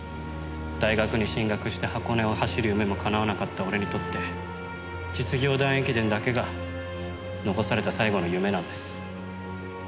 大学に進学して箱根を走る夢もかなわなかった俺にとって実業団駅伝だけが残された最後の夢なんです。